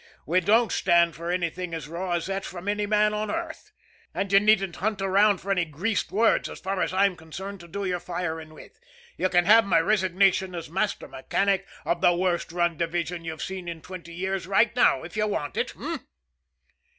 We don't stand for anything as raw as that from any man on earth. And you needn't hunt around for any greased words, as far as I'm concerned, to do your firing with you can have my resignation as master mechanic of the worst run division you've seen in twenty years right now, if you want it h'm?"